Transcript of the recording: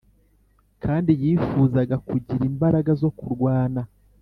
kandi yifuzaga kugira imbaraga zo kurwana.